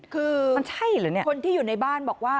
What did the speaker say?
คือมันใช่เหรอเนี่ยคนที่อยู่ในบ้านบอกว่า